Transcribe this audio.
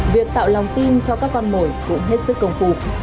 việc tạo lòng tin cho các con mồi cũng hết sức công phu